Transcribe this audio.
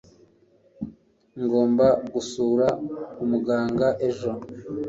Ngomba gusura umuganga ejo.